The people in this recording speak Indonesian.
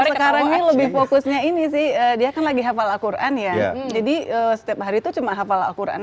sekarang lebih fokusnya ini sih dia kan lagi hafal alquran ya jadi setiap hari itu cuma hafal alquran